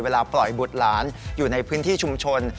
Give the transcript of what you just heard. เวลาปล่อยบุตรหลานอยู่ในพื้นที่ชุมชน